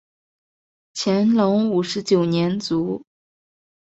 乾隆五十九年卒。